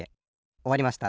おわりました。